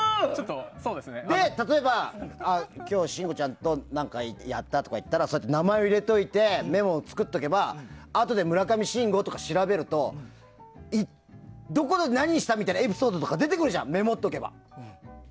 例えば今日、信五ちゃんと何かやったとかいったら名前を入れといてメモを作っとけばあとで村上信五とか調べるとどこで何したみたいなエピソードとか出てくるじゃん、メモっとけば。